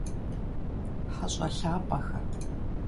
Хьэщӏэ лъапӏэхэ!